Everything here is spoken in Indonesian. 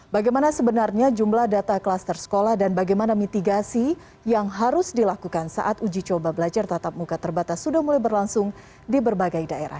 bagaimana sebenarnya jumlah data klaster sekolah dan bagaimana mitigasi yang harus dilakukan saat uji coba belajar tatap muka terbatas sudah mulai berlangsung di berbagai daerah